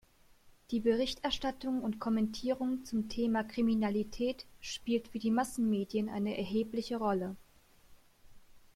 Die Berichterstattung und Kommentierung zum Thema Kriminalität spielt für die Massenmedien eine erhebliche Rolle.